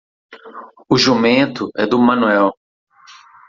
O jumento é do Manuel.